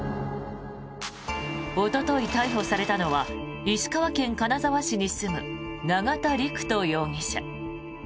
おととい逮捕されたのは石川県金沢市に住む永田陸人容疑者。